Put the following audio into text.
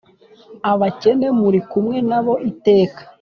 Abakene muri kumwe na bo iteka